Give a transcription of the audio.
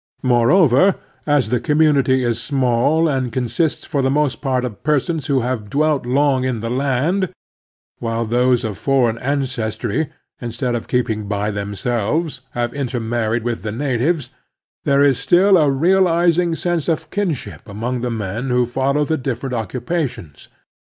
Moreover, as the community is small and consists for the most part of persons who have dwelt long in the land, while those of foreign ancestry, instead of keeping by themselves, have intermarried with the l ^^"^ 76 The Strenuous Life natives, there is still a realizing sense of kinship among the men who follow the different occupa tions.